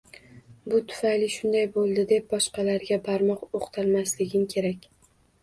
Bu tufayli shunday bo’ldi deb boshqalarga barmoq o’qtalmasliging kerak